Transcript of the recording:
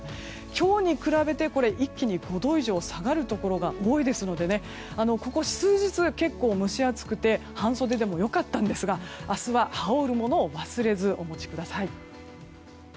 今日に比べて一気に５度以上下がるところが多いですのでここ数日、結構蒸し暑くて半袖でも良かったんですが明日は羽織るものを忘れずお持ちください。